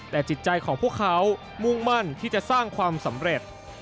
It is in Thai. แต่จิตใจของพวกเขามุ่งมั่นที่จะสร้างความสำเร็จ